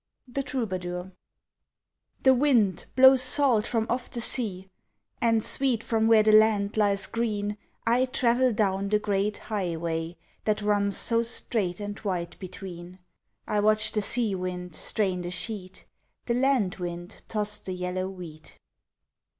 The Troubadour THE wind blows salt from off the sea And sweet from where the land lies green; I travel down the great highway That runs so straight and white between I watch the sea wind strain the sheet, The land wind toss the yellow wheat!